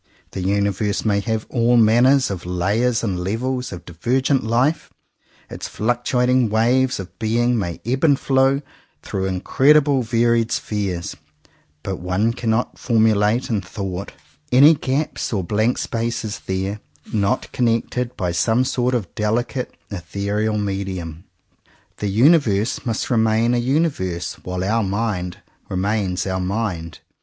The universe may have all manner of layers and levels of divergent life; its fluctuating waves of being may ebb and flow through incredibly varied spheres; but one cannot formulate in thought any 47 CONFESSIONS OF TWO BROTHERS gaps or blank spaces there, not connected by some sort of delicate ethereal medium. The universe must remain a universe while our mind remains our mind.